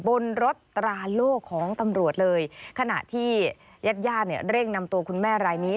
บนรถตราโล่ของตำรวจเลยขณะที่ญาติญาติเนี่ยเร่งนำตัวคุณแม่รายนี้